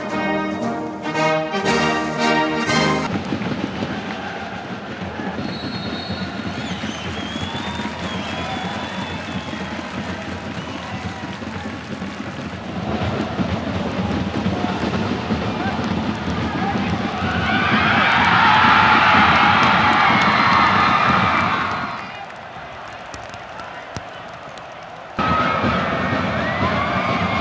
สวัสดีครับขอรบเพลงชาติ